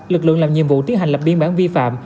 lực lượng làm nhiệm vụ tiến hành lập biên bản vi phạm